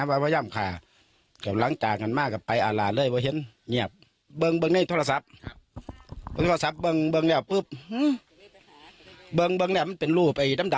ภรรยากิจับบ้างก็เกิดเกิดเกิดดีมาก